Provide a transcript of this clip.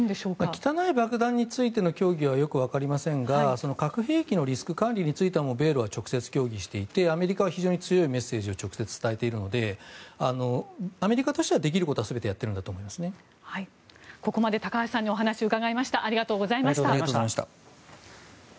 汚い爆弾についての協議はよく分かりませんが核兵器のリスク管理は米ロは直接協議していてアメリカは非常に強いメッセージを直接伝えているのでアメリカとしてはできることは２０１９年ナンバー１ヒット映画「天気の子」が今度の日曜日、放送！